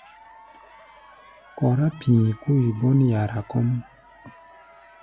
Kɔrá pi̧i̧ kui gɔ́n yara kɔ́ʼm.